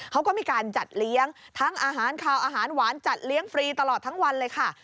เขาก็มีการจัดเลี้ยงทั้งอาหารขาวอาหารหวานจัดเลี้ยงฟรีตลอดทั้งวันเลยค่ะ